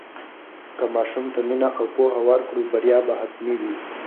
که ماشوم ته مینه او پوهه ورکړو، بریا به حتمي وي.